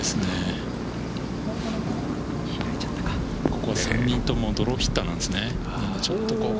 ここで３人ともドローヒッターなんですね。